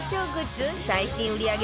最新売り上げ